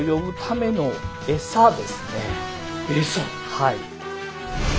はい。